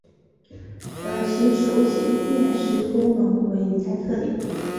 而其手写辨识功能为一大特点。